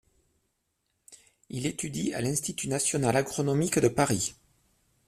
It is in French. Il étudie à l'Institut national agronomique de Paris.